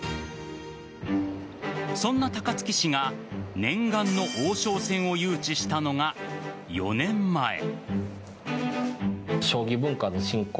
その高槻市が念願の王将戦を誘致したのが４年前。